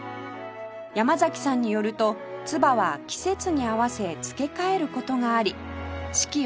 山崎さんによると鐔は季節に合わせ付け替える事があり四季